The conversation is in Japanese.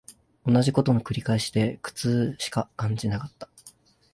同じ事の繰り返しで苦痛しか感じなかった